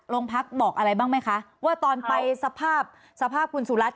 โรงพักบอกอะไรบ้างไหมคะว่าตอนไปสภาพสภาพคุณสุรัตน